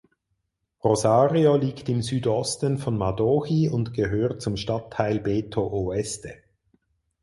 Rosario liegt im Südosten von Madohi und gehört zum Stadtteil Beto Oeste.